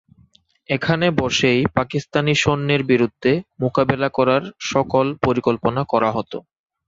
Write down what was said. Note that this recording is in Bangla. এখানে বসেই পাকিস্তানি সৈন্যের বিরুদ্ধে মোকাবেলা করার সকল পরিকল্পনা করা হতো।